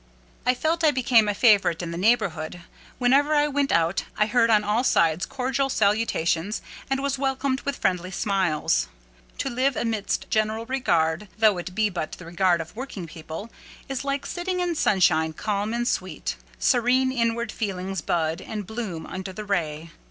I felt I became a favourite in the neighbourhood. Whenever I went out, I heard on all sides cordial salutations, and was welcomed with friendly smiles. To live amidst general regard, though it be but the regard of working people, is like "sitting in sunshine, calm and sweet;" serene inward feelings bud and bloom under the ray.